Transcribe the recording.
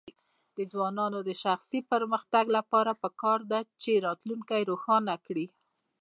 د ځوانانو د شخصي پرمختګ لپاره پکار ده چې راتلونکی روښانه کړي.